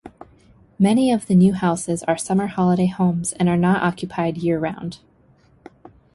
Many of the new houses are summer holiday homes and are not occupied year-round.